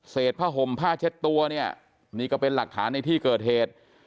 ผ้าห่มผ้าเช็ดตัวเนี่ยนี่ก็เป็นหลักฐานในที่เกิดเหตุ